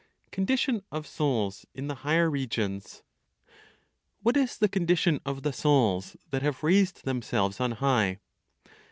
CONDITION OF SOULS IN THE HIGHER REGIONS. What is the condition of the souls that have raised themselves on high?